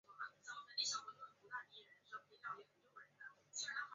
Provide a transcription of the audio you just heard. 秘书监牛弘以德源推荐他与着作郎王邵同修国史。